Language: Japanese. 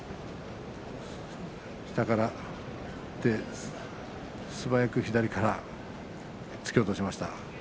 下からいって素早く左から突き落としました。